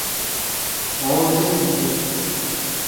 مھو جَن تھی۔